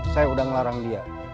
saya udah ngelarang dia